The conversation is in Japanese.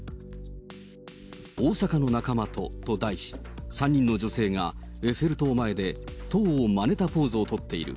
大阪の仲間とと題し、３人の女性がエッフェル塔前で塔をまねたポーズを取っている。